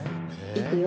いくよ。